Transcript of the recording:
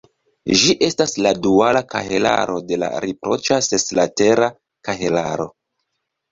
Ĝi estas la duala kahelaro de la riproĉa seslatera kahelaro.